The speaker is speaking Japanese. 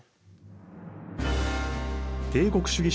帝国主義